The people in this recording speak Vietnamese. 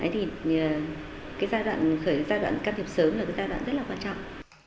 thì cái giai đoạn can thiệp sớm là cái giai đoạn rất là quan trọng